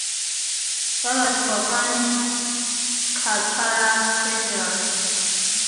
Vargas performed cataract surgery.